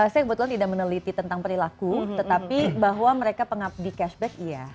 saya kebetulan tidak meneliti tentang perilaku tetapi bahwa mereka pengabdi cashback iya